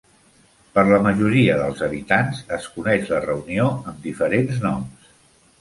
Per la majoria dels habitants, es coneix la reunió amb diferents noms.